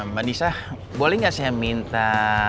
mbak nisa boleh nggak saya minta